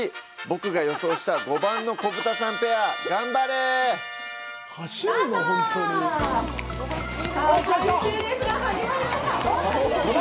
僕が予想した５番の子豚さんペア、頑張れ！スタート！